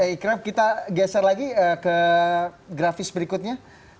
ikraf kita geser lagi ke grafis berikutnya